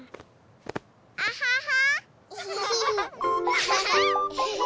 アハハ！